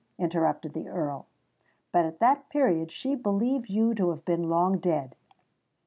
interrupted the Earl. "But at that period she believed you to have been long dead."